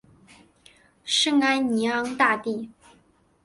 圣艾尼昂大地。